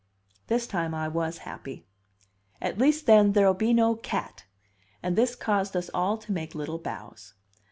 This time I was happy. "At least, then, there'll be no cat!" And this caused us all to make little bows.